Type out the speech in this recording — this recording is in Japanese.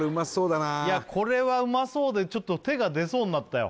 これはうまそうでちょっと手が出そうになったよ